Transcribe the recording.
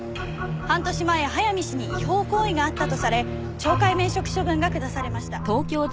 半年前早見氏に違法行為があったとされ懲戒免職処分が下されました。